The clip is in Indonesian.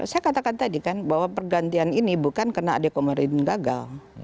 saya katakan tadi kan bahwa pergantian ini bukan karena ade komarudin gagal